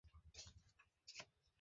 এই, মশকরা বাদ দাও।